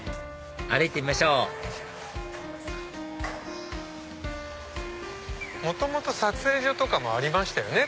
歩いてみましょう元々撮影所とかもありましたね。